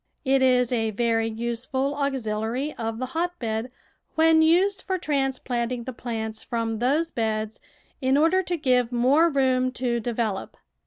It is a very useful auxiliary of the hotbed when used for transplanting the plants from those beds in order to give more room to develop.